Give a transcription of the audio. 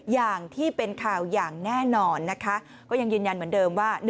อย่างที่เป็นข่าวอย่างแน่นอนนะคะก็ยังยืนยันเหมือนเดิมว่า